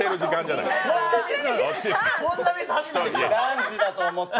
こんなミス初めて。